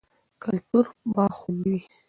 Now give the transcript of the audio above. کلتور به خوندي وي.